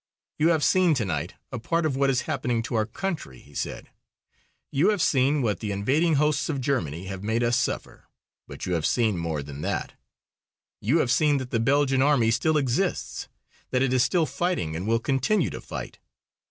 "You have seen to night a part of what is happening to our country," he said. "You have seen what the invading hosts of Germany have made us suffer. But you have seen more than that. You have seen that the Belgian Army still exists; that it is still fighting and will continue to fight.